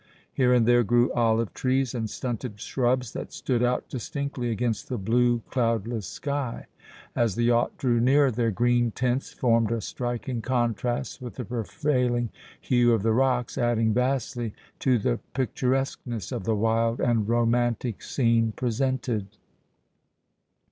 Here and there grew olive trees and stunted shrubs that stood out distinctly against the blue, cloudless sky; as the yacht drew nearer their green tints formed a striking contrast with the prevailing hue of the rocks, adding vastly to the picturesqueness of the wild and romantic scene presented.